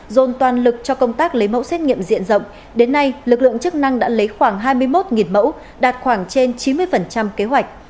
dồn toàn lực cho công tác lấy mẫu xét nghiệm diện rộng đến nay lực lượng chức năng đã lấy khoảng hai mươi một mẫu đạt khoảng trên chín mươi kế hoạch